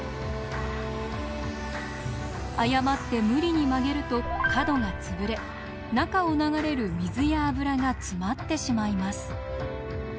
誤って無理に曲げると角が潰れ中を流れる水や油が詰まってしまいます。